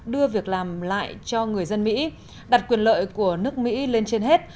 đưa việc làm lại cho người dân mỹ đặt quyền lợi của nước mỹ lên trên hết